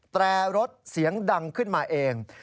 แต่รถเสียงดังขึ้นมาเอง